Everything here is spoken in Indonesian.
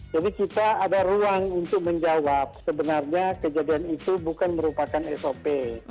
jadi kita ada ruang untuk menjawab sebenarnya kejadian itu bukan merupakan sop